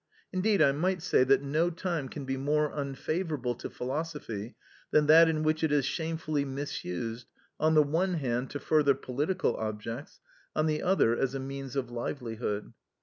Indeed I might say that no time can be more unfavourable to philosophy than that in which it is shamefully misused, on the one hand to further political objects, on the other as a means of livelihood.